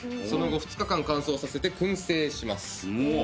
その後２日間乾燥させて薫製します。